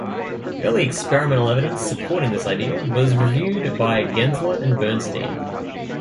Early experimental evidence supporting this idea was reviewed by Gensler and Bernstein.